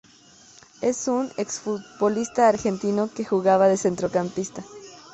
Es un ex futbolista argentino que jugaba de centrocampista.